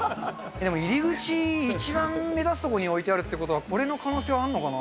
でも入り口一番目立つ所に置いてあるっていうことは、これの可能性はあるのかな。